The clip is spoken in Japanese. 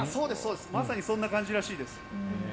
まさにそんな感じらしいです。